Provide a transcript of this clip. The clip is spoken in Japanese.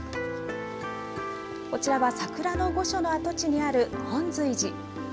こちらは、桜の御所の跡地にある本瑞寺。